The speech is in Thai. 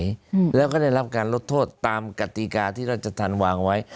อืมแล้วก็ได้รับการลดโทษตามกติกาที่ราชธรรมวางไว้